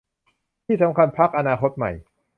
ที่สำคัญพรรคอนาคตใหม่